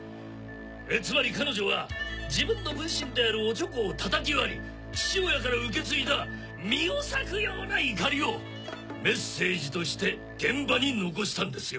つまり彼女は自分の分身であるオチョコを叩き割り父親から受け継いだ身を裂くような怒りをメッセージとして現場に残したんですよ。